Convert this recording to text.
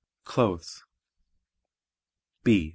Clothes B.